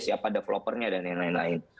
siapa developernya dan yang lain lain